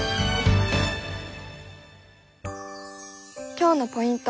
今日のポイント